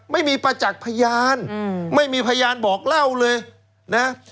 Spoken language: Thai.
ไม่มีประจักษ์พยานไม่มีพยานบอกเล่าเลยนะ